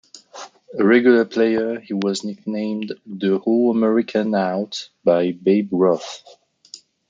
A regular player, he was nicknamed "The All-American Out" by Babe Ruth.